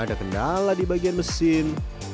ada kendala di bagian mesin